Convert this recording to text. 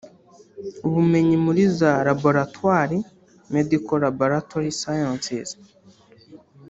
ubumenyi muri za laboratwari (Medical Laboratory Sciences)